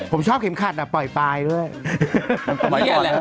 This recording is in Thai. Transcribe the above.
ผมชอบเข็มขัดอ่ะปล่อยปลายด้วย